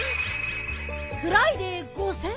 フライデー５０００！